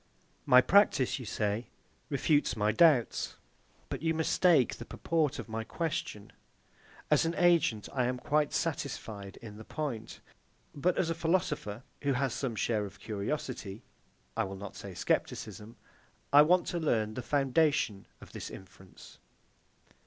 My practice, you say, refutes my doubts. But you mistake the purport of my question. As an agent, I am quite satisfied in the point; but as a philosopher, who has some share of curiosity, I will not say scepticism, I want to learn the foundation of this inference.